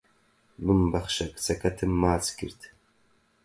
ببمبەخشە کچەکەتم ماچ کرد